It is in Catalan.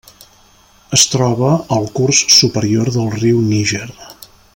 Es troba al curs superior del riu Níger.